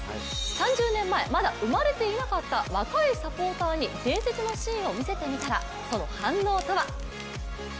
３０年前、まだ生まれていなかった若いサポーターに伝説のシーンを見せてみたらその反応とは。